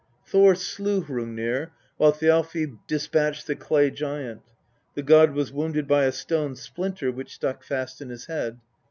Thor slew Hrungnir, while Thjalfi despatched the clay giant. The god was wounded by a stone splinter, which stuck fast in his head.